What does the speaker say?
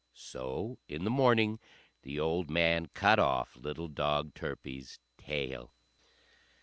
So in the morning the old man cut off little dog Turpie's tail.